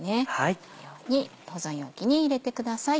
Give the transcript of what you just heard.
このように保存容器に入れてください。